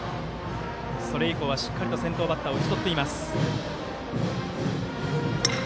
それ以降はしっかりと先頭バッターを打ち取っています。